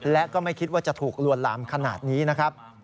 และก็ไม่คิดว่าจะถูกลวนลามขนาดนี้นะครับ